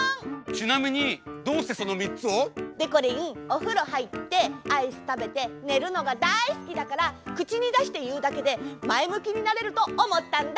ちなみにどうしてそのみっつを？でこりんおふろはいってアイスたべてねるのがだいすきだからくちにだしていうだけでまえむきになれるとおもったんだ！